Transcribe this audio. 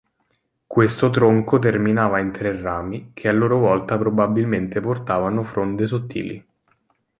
Questo tronco terminava in tre rami, che a loro volta probabilmente portavano fronde sottili.